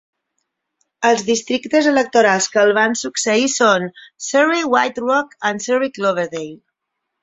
Els districtes electorals que el van succeir són Surrey-White Rock i Surrey-Cloverdale.